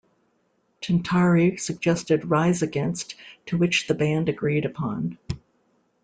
Tintari suggested Rise Against, to which the band agreed upon.